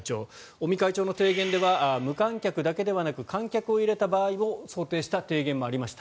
尾身会長の提言では無観客だけではなく観客を入れた場合を想定した提言もありました。